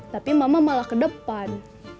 tapi mama malah ke depan